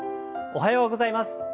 おはようございます。